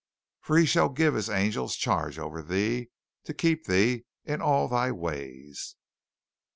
"For he shall give his angels charge over thee, to keep thee in all thy ways.